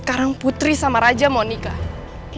maksud om apa putri sama raja mau nikah sekarang